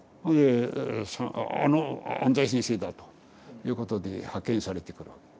であの安斎先生だということで派遣されてくる。